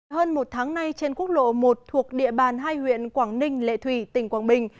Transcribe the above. hơn một tháng nay trên quốc lộ một thuộc địa bàn hai huyện quảng ninh lệ thủy tỉnh quảng bình